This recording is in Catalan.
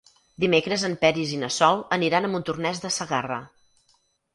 Dimecres en Peris i na Sol aniran a Montornès de Segarra.